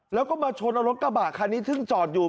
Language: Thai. แล้วก็มาชนเอารถกระบะคันนี้ซึ่งจอดอยู่